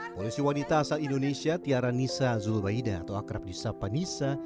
polisi wanita asal indonesia tiara nisa zulbaida atau akrab nisa panisa